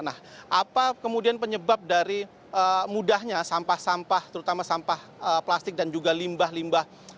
nah apa kemudian penyebab dari mudahnya sampah sampah terutama sampah plastik dan juga limbah limbah